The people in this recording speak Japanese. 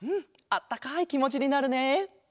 あったかいきもちになるね。